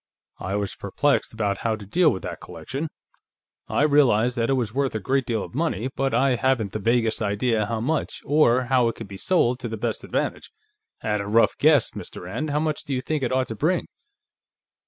I was perplexed about how to deal with that collection. I realized that it was worth a great deal of money, but I haven't the vaguest idea how much, or how it could be sold to the best advantage.... At a rough guess, Mr. Rand, how much do you think it ought to bring?"